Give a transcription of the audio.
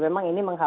memang ini mengenai